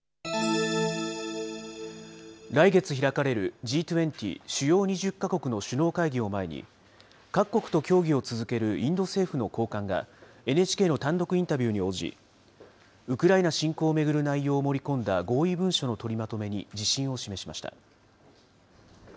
来月開かれるＧ２０・主要２０か国の首脳会議を前に、各国と協議を続けるインド政府の高官が、ＮＨＫの単独インタビューに応じ、ウクライナ侵攻を巡る内容を盛り込んだ合意文書の取りまとめに自信を示しました。